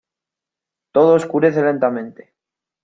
todo oscurece lentamente: